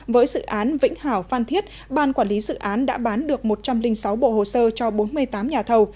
với dự án vĩnh hảo phan thiết ban quản lý dự án đã bán được một trăm linh sáu bộ hồ sơ cho bốn mươi tám nhà thầu